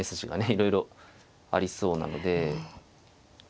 いろいろありそうなので。